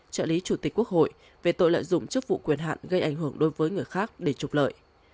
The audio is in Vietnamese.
trợ lý chủ tịch quốc hội về tội lợi dụng chức vụ quyền hạn gây ảnh hưởng đối với người khác để trục lợi